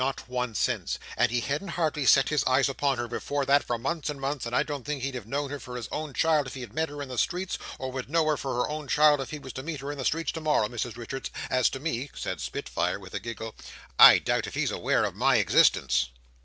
"Not once since, and he hadn't hardly set his eyes upon her before that for months and months, and I don't think he'd have known her for his own child if he had met her in the streets, or would know her for his own child if he was to meet her in the streets to morrow, Mrs Richards, as to me," said Spitfire, with a giggle, "I doubt if he's aweer of my existence."